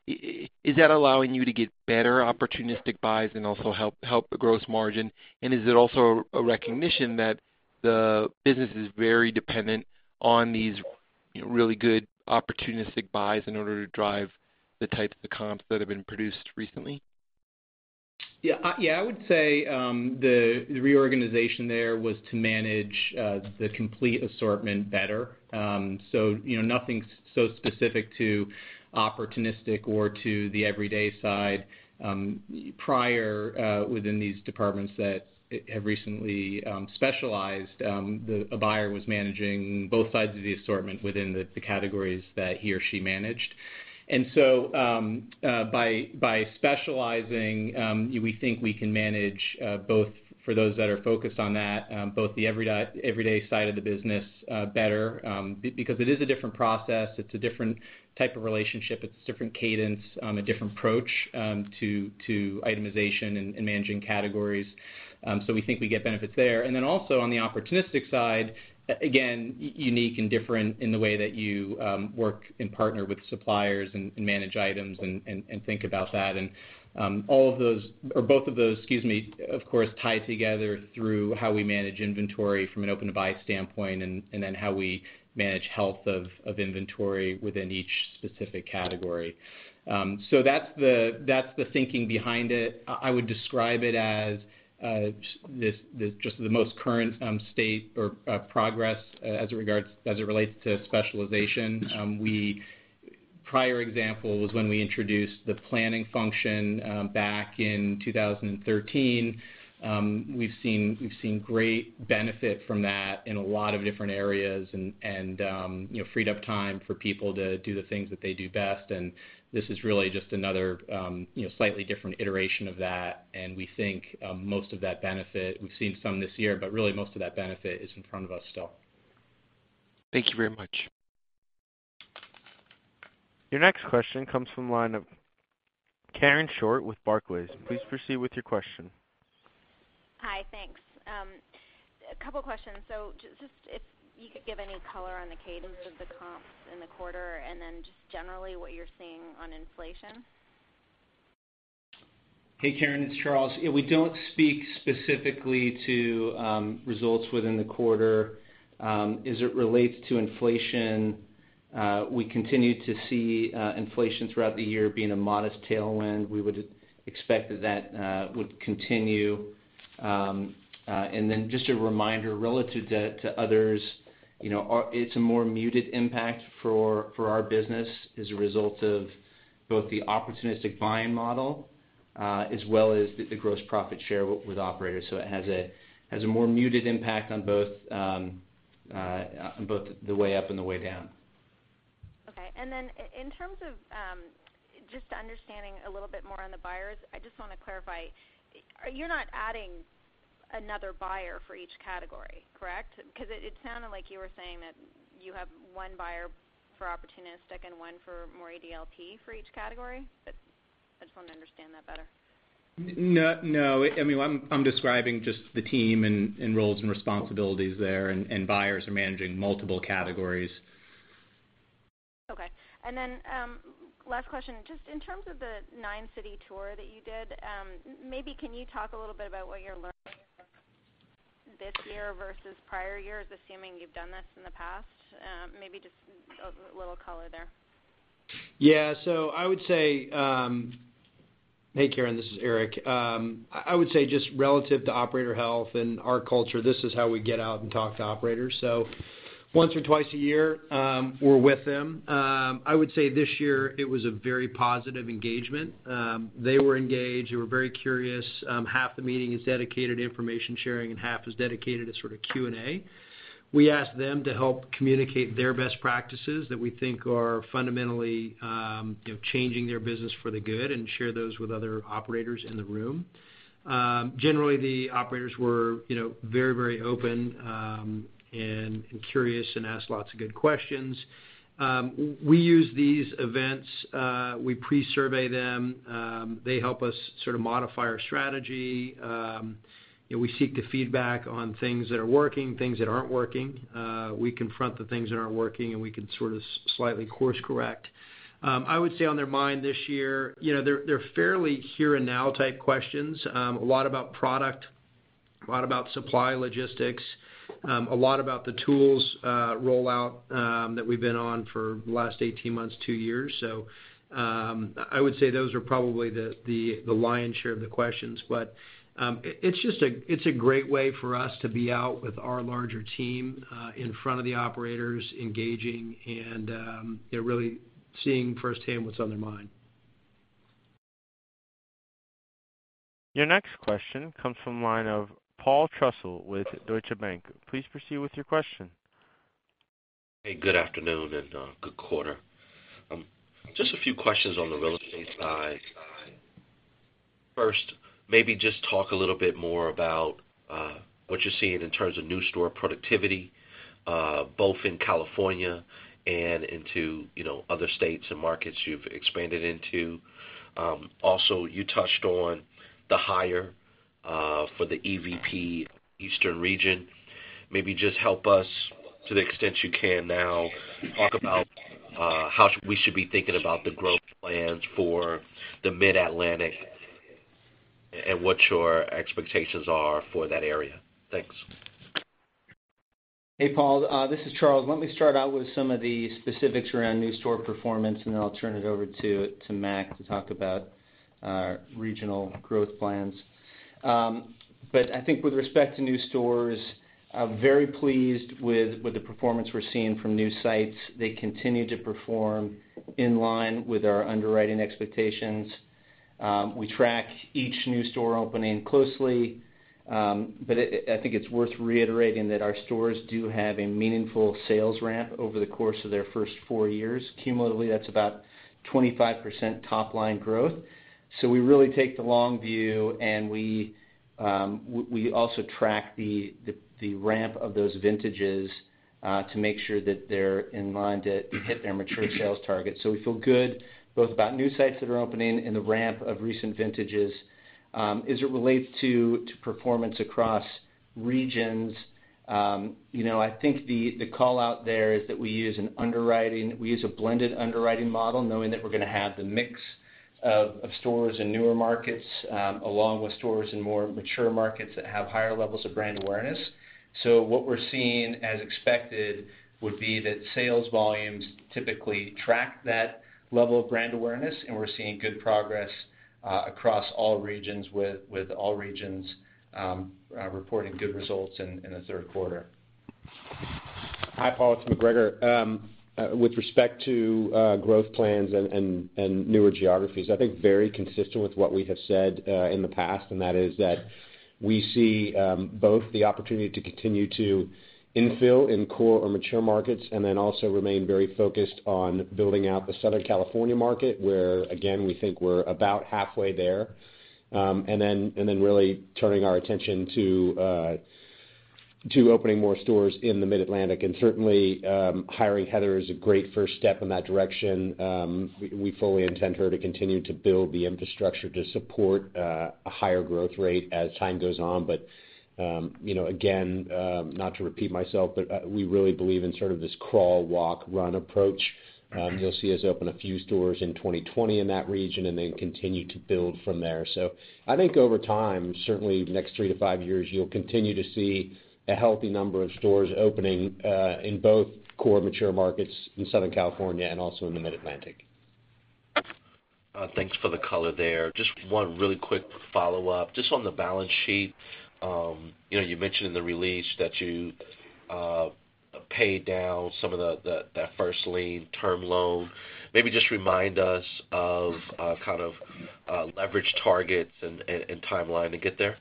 Is that allowing you to get better opportunistic buys and also help the gross margin? Is it also a recognition that the business is very dependent on these really good opportunistic buys in order to drive the types of comps that have been produced recently? Yeah. I would say, the reorganization there was to manage the complete assortment better. Nothing so specific to opportunistic or to the everyday side. Prior, within these departments that have recently specialized, a buyer was managing both sides of the assortment within the categories that he or she managed. By specializing, we think we can manage both for those that are focused on that, both the everyday side of the business better, because it is a different process, it's a different type of relationship, it's a different cadence, a different approach to itemization and managing categories. We think we get benefits there. Also on the opportunistic side, again, unique and different in the way that you work and partner with suppliers and manage items and think about that. Both of those, of course, tie together through how we manage inventory from an open-to-buy standpoint and then how we manage health of inventory within each specific category. That's the thinking behind it. I would describe it as just the most current state or progress as it relates to specialization. Prior example was when we introduced the planning function, back in 2013. We've seen great benefit from that in a lot of different areas and freed up time for people to do the things that they do best. This is really just another slightly different iteration of that. We think most of that benefit, we've seen some this year, but really most of that benefit is in front of us still. Thank you very much. Your next question comes from the line of Karen Short with Barclays. Please proceed with your question. Hi, thanks. A couple questions. Just if you could give any color on the cadence of the comps in the quarter and then just generally what you're seeing on inflation? Hey, Karen, it's Charles. We don't speak specifically to results within the quarter. As it relates to inflation, we continue to see inflation throughout the year being a modest tailwind. We would expect that that would continue. Just a reminder, relative to others, it's a more muted impact for our business as a result of both the opportunistic buying model, as well as the gross profit share with operators. It has a more muted impact on both the way up and the way down. Okay. Then in terms of just understanding a little bit more on the buyers, I just want to clarify, you're not adding another buyer for each category, correct? Because it sounded like you were saying that you have one buyer for opportunistic and one for more EDLP for each category. I just wanted to understand that better. No. I'm describing just the team and roles and responsibilities there, and buyers are managing multiple categories. Okay. Last question. Just in terms of the nine city tour that you did, maybe can you talk a little bit about what you're learning this year versus prior years, assuming you've done this in the past? Maybe just a little color there. Hey, Karen. This is Eric. I would say just relative to operator health and our culture, this is how we get out and talk to operators. Once or twice a year, we're with them. I would say this year it was a very positive engagement. They were engaged. They were very curious. Half the meeting is dedicated to information sharing and half is dedicated to Q&A. We ask them to help communicate their best practices that we think are fundamentally changing their business for the good and share those with other operators in the room. Generally, the operators were very open and curious and asked lots of good questions. We use these events, we pre-survey them. They help us modify our strategy. We seek the feedback on things that are working, things that aren't working. We confront the things that aren't working, we can slightly course correct. I would say on their mind this year, they're fairly here and now type questions. A lot about product, a lot about supply logistics, a lot about the tools rollout that we've been on for the last 18 months, two years. I would say those are probably the lion's share of the questions. It's a great way for us to be out with our larger team, in front of the operators, engaging, and really seeing firsthand what's on their mind. Your next question comes from the line of Paul Trussell with Deutsche Bank. Please proceed with your question. Hey, good afternoon, and good quarter. Just a few questions on the real estate side. First, maybe just talk a little bit more about what you're seeing in terms of new store productivity, both in California and into other states and markets you've expanded into. Also, you touched on the hire for the EVP Eastern Region. Maybe just help us to the extent you can now, talk about how we should be thinking about the growth plans for the Mid-Atlantic and what your expectations are for that area. Thanks. Hey, Paul. This is Charles. Let me start out with some of the specifics around new store performance, and then I'll turn it over to Mac to talk about our regional growth plans. I think with respect to new stores, I'm very pleased with the performance we're seeing from new sites. They continue to perform in line with our underwriting expectations. We track each new store opening closely, but I think it's worth reiterating that our stores do have a meaningful sales ramp over the course of their first four years. Cumulatively, that's about 25% top-line growth. We really take the long view, and we also track the ramp of those vintages to make sure that they're in line to hit their mature sales targets. We feel good both about new sites that are opening and the ramp of recent vintages. As it relates to performance across regions, I think the call-out there is that we use a blended underwriting model, knowing that we're going to have the mix of stores in newer markets, along with stores in more mature markets that have higher levels of brand awareness. What we're seeing, as expected, would be that sales volumes typically track that level of brand awareness, and we're seeing good progress across all regions, with all regions reporting good results in the third quarter. Hi, Paul. It's MacGregor. With respect to growth plans and newer geographies, I think very consistent with what we have said in the past, and that is that we see both the opportunity to continue to infill in core or mature markets and then also remain very focused on building out the Southern California market, where again, we think we're about halfway there. Really turning our attention to opening more stores in the Mid-Atlantic. Certainly, hiring Heather is a great first step in that direction. We fully intend her to continue to build the infrastructure to support a higher growth rate as time goes on. Again, not to repeat myself, but we really believe in sort of this crawl, walk, run approach. You'll see us open a few stores in 2020 in that region and then continue to build from there. I think over time, certainly the next three to five years, you'll continue to see a healthy number of stores opening in both core mature markets in Southern California and also in the Mid-Atlantic. Thanks for the color there. One really quick follow-up. On the balance sheet, you mentioned in the release that you paid down some of that first lien term loan. Maybe just remind us of kind of leverage targets and timeline to get there.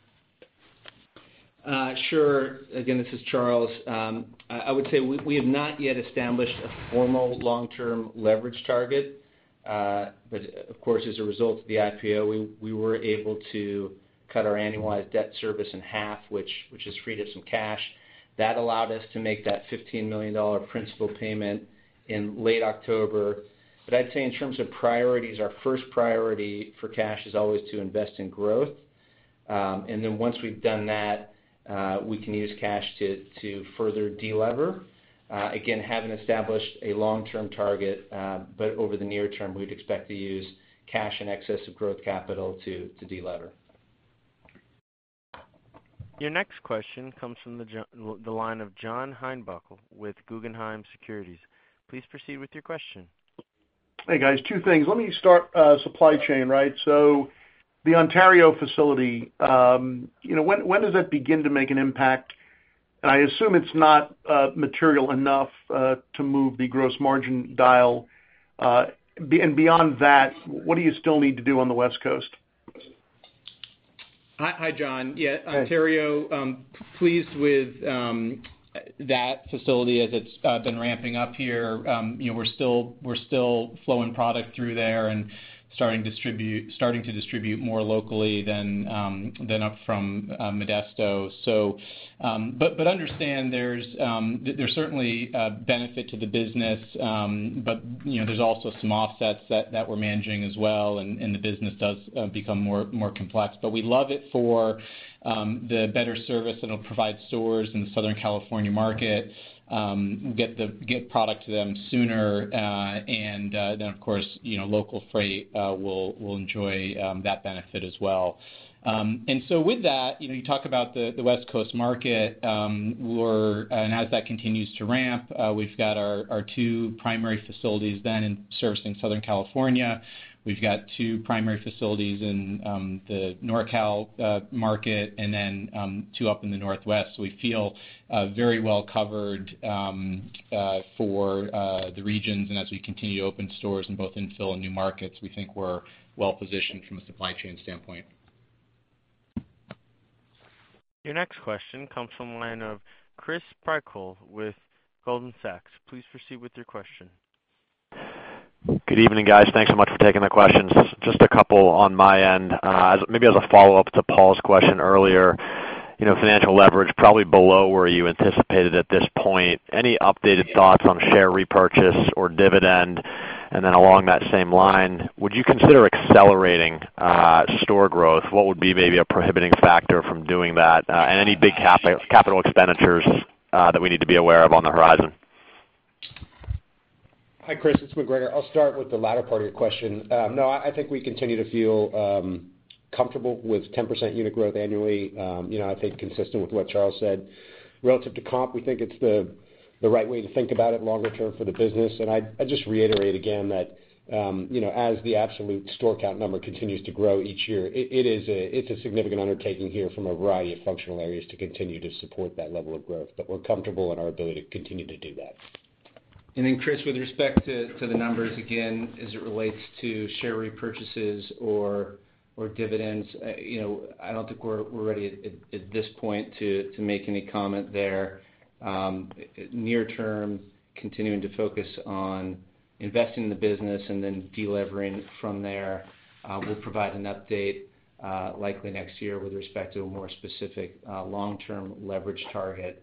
Sure. Again, this is Charles Bracher. I would say we have not yet established a formal long-term leverage target. Of course, as a result of the IPO, we were able to cut our annualized debt service in half, which has freed us some cash. That allowed us to make that $15 million principal payment in late October. I'd say in terms of priorities, our first priority for cash is always to invest in growth. Once we've done that, we can use cash to further de-lever. Again, haven't established a long-term target, over the near term, we'd expect to use cash in excess of growth capital to de-lever. Your next question comes from the line of John Heinbockel with Guggenheim Securities. Please proceed with your question. Hey, guys. Two things. Let me start supply chain. The Ontario facility, when does that begin to make an impact? I assume it's not material enough to move the gross margin dial. Beyond that, what do you still need to do on the West Coast? Hi, John. Yeah, Ontario, pleased with that facility as it's been ramping up here. We're still flowing product through there and starting to distribute more locally than up from Modesto. Understand there's certainly a benefit to the business, but there's also some offsets that we're managing as well, and the business does become more complex. We love it for the better service it'll provide stores in the Southern California market, get product to them sooner, and then, of course, local freight will enjoy that benefit as well. With that, you talk about the West Coast market, and as that continues to ramp, we've got our two primary facilities then servicing Southern California. We've got two primary facilities in the NorCal market and then two up in the Northwest. We feel very well covered for the regions, and as we continue to open stores in both infill and new markets, we think we're well positioned from a supply chain standpoint. Your next question comes from the line of Chris Prykull with Goldman Sachs. Please proceed with your question. Good evening, guys. Thanks so much for taking the questions. Just a couple on my end. Maybe as a follow-up to Paul's question earlier. Financial leverage probably below where you anticipated at this point. Any updated thoughts on share repurchase or dividend? Along that same line, would you consider accelerating store growth? What would be maybe a prohibiting factor from doing that? Any big capital expenditures that we need to be aware of on the horizon? Hi, Chris. It's MacGregor. I'll start with the latter part of your question. I think we continue to feel comfortable with 10% unit growth annually. I think consistent with what Charles said. Relative to comp, we think it's the right way to think about it longer term for the business. I just reiterate again that as the absolute store count number continues to grow each year, it's a significant undertaking here from a variety of functional areas to continue to support that level of growth. We're comfortable in our ability to continue to do that. Then Chris, with respect to the numbers, again, as it relates to share repurchases or dividends, I don't think we're ready at this point to make any comment there. Near term, continuing to focus on investing in the business and then de-levering from there. We'll provide an update, likely next year with respect to a more specific long-term leverage target.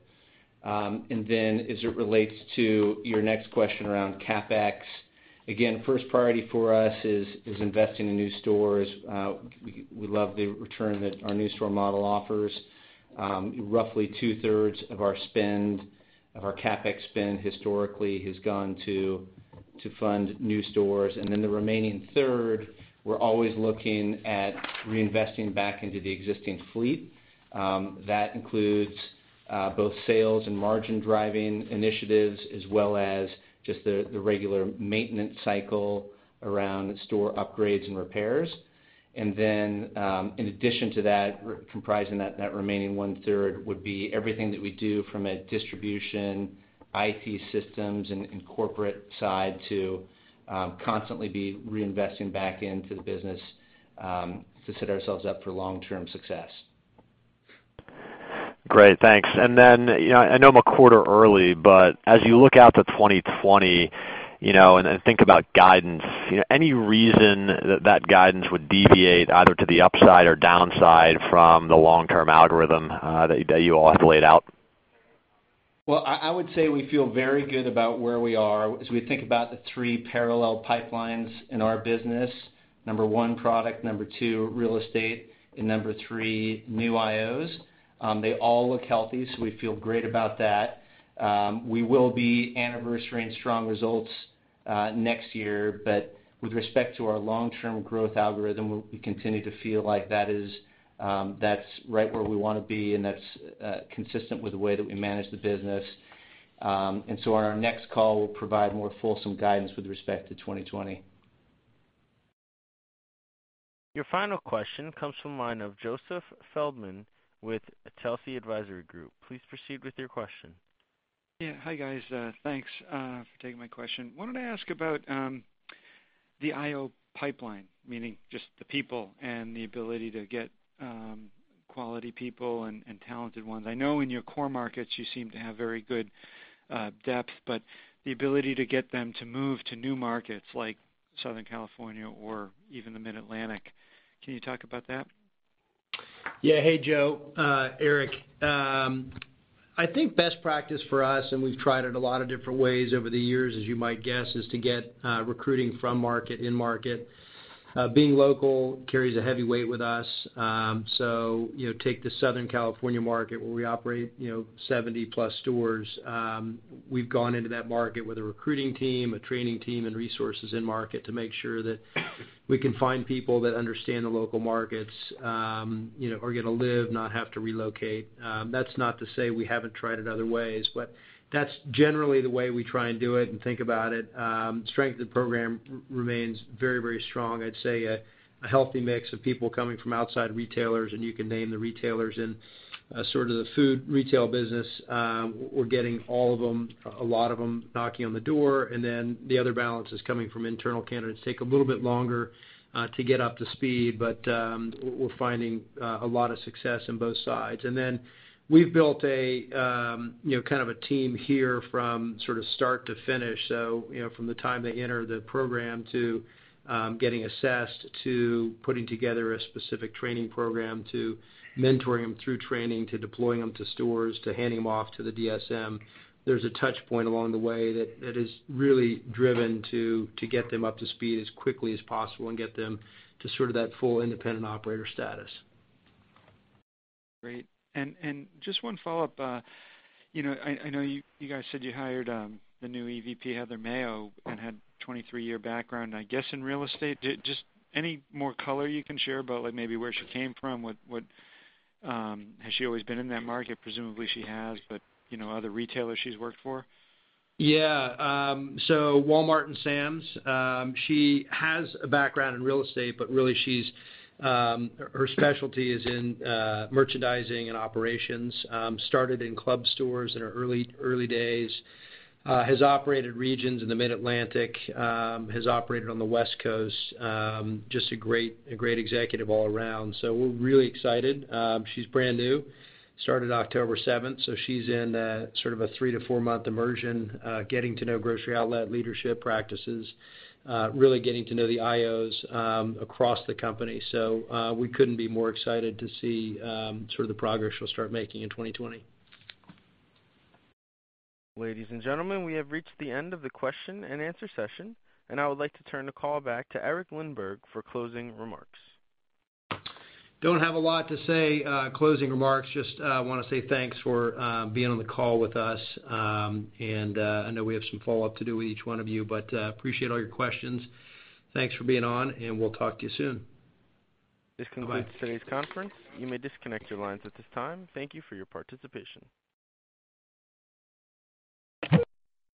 Then as it relates to your next question around CapEx, again, first priority for us is investing in new stores. We love the return that our new store model offers. Roughly two-thirds of our CapEx spend historically has gone to fund new stores. Then the remaining third, we're always looking at reinvesting back into the existing fleet. That includes both sales and margin-driving initiatives, as well as just the regular maintenance cycle around store upgrades and repairs. In addition to that, comprising that remaining one-third would be everything that we do from a distribution, IT systems, and corporate side to constantly be reinvesting back into the business to set ourselves up for long-term success. Great. Thanks. I know I'm a quarter early, but as you look out to 2020 and think about guidance, any reason that that guidance would deviate either to the upside or downside from the long-term algorithm that you all have laid out? I would say we feel very good about where we are as we think about the three parallel pipelines in our business. Number one, product, number two, real estate, and number three, new IOs. They all look healthy, so we feel great about that. We will be anniversarying strong results next year, but with respect to our long-term growth algorithm, we continue to feel like that's right where we want to be, and that's consistent with the way that we manage the business. On our next call, we'll provide more fulsome guidance with respect to 2020. Your final question comes from the line of Joseph Feldman with Telsey Advisory Group. Please proceed with your question. Hi guys. Thanks for taking my question. Wanted to ask about the IO pipeline, meaning just the people and the ability to get quality people and talented ones. I know in your core markets you seem to have very good depth, the ability to get them to move to new markets like Southern California or even the Mid-Atlantic. Can you talk about that? Yeah. Hey, Joe. Eric. I think best practice for us, and we've tried it a lot of different ways over the years, as you might guess, is to get recruiting from market, in market. Being local carries a heavy weight with us. Take the Southern California market where we operate 70 plus stores. We've gone into that market with a recruiting team, a training team, and resources in market to make sure that we can find people that understand the local markets, are going to live, not have to relocate. That's not to say we haven't tried it other ways, but that's generally the way we try and do it and think about it. Strength of the program remains very strong. I'd say a healthy mix of people coming from outside retailers, and you can name the retailers in sort of the food retail business. We're getting all of them, a lot of them knocking on the door. The other balance is coming from internal candidates. Take a little bit longer to get up to speed, we're finding a lot of success in both sides. We've built a kind of a team here from sort of start to finish. From the time they enter the program to getting assessed, to putting together a specific training program, to mentoring them through training, to deploying them to stores, to handing them off to the DSM. There's a touch point along the way that is really driven to get them up to speed as quickly as possible and get them to sort of that full independent operator status. Great. Just one follow-up. I know you guys said you hired the new EVP, Heather Mayo, and had 23-year background, I guess, in real estate. Just any more color you can share about like maybe where she came from? Has she always been in that market? Presumably she has, other retailers she's worked for? Yeah. Walmart and Sam's. She has a background in real estate, but really her specialty is in merchandising and operations. Started in club stores in her early days. Has operated regions in the Mid-Atlantic, has operated on the West Coast. Just a great executive all around. We're really excited. She's brand new. Started October 7th, she's in a sort of a 3 to 4-month immersion, getting to know Grocery Outlet leadership practices, really getting to know the IOs across the company. We couldn't be more excited to see sort of the progress she'll start making in 2020. Ladies and gentlemen, we have reached the end of the question and answer session. I would like to turn the call back to Eric Lindberg for closing remarks. Don't have a lot to say closing remarks, just want to say thanks for being on the call with us. I know we have some follow-up to do with each one of you. Appreciate all your questions. Thanks for being on. We'll talk to you soon. This concludes today's conference. You may disconnect your lines at this time. Thank you for your participation.